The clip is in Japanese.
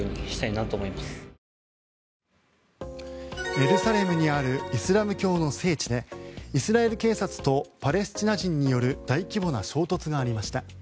エルサレムにあるイスラム教の聖地でイスラエル警察とパレスチナ人による大規模な衝突がありました。